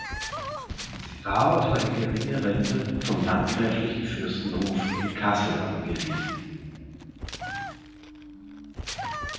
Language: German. Sie war auf eine geringe Rente vom landgräflichen Fürstenhof in Kassel angewiesen.